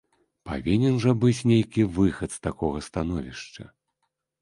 Павінен жа быць нейкі выхад з такога становішча.